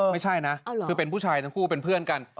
ไม่ใช่นะคือเป็นผู้ชายทั้งคู่เป็นเพื่อนกัน